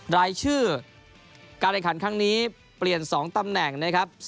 รายชื่อการแข่งขันครั้งนี้เปลี่ยน๒ตำแหน่งนะครับ